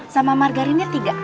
sama margarinnya tiga